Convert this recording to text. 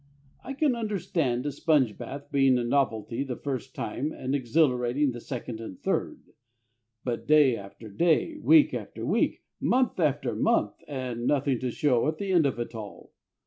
I can understand a sponge bath being a novelty the first time and exhilarating the second and third. But day after day, week after week, month after month, and nothing to show at the end of it all!